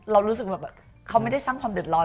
เรารู้สึกแบบเขาไม่ได้สร้างความเดือดร้อน